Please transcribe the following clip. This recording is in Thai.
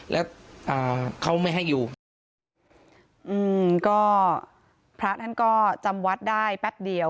แล้วอ่าเขาไม่ให้อยู่อืมก็พระท่านก็จำวัดได้แป๊บเดียว